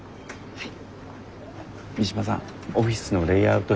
はい。